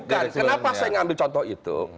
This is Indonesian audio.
kenapa saya ambil contoh itu